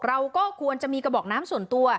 เราก็ควรจะมีกระบอกน้ำส่วนตัว